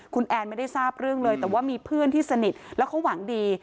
คุณแอนไม่ได้ทราบเรื่องเลยแต่ว่ามีเพื่อนที่สนิทแล้วเขาหวังดี